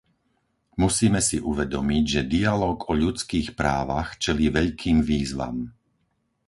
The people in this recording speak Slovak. Musíme si uvedomiť, že dialóg o ľudských právach čelí veľkým výzvam.